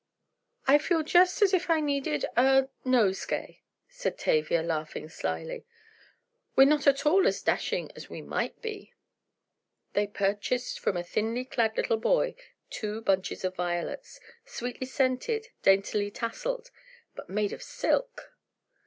"I feel just as if I needed a—nosegay," said Tavia, laughing slily. "We're not at all as dashing as we might be!" They purchased from a thinly clad little boy two bunches of violets, sweetly scented, daintily tasseled—but made of silk!